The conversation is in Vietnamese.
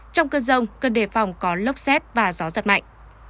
trong cơn rông cần đề phòng có lốc xét và gió giật mạnh